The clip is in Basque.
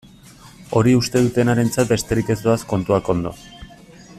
Hori uste dutenarentzat besterik ez doaz kontuak ondo.